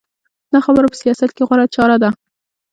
دا خبره په سیاست کې غوره چاره ده.